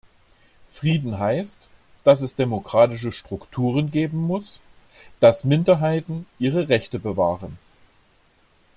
Frieden heißt, dass es demokratische Strukturen geben muss, dass Minderheiten ihre Rechte bewahren.